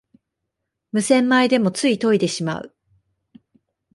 無洗米でもつい研いでしまう